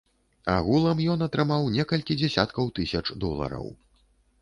Агулам ён атрымаў некалькі дзясяткаў тысяч долараў.